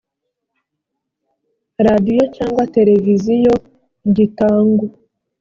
radiyo cyangwa televiziyo gitangwa